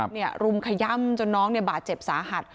เนี่ยรุมขย่ำจนน้องเนี่ยบาดเจ็บสาหัส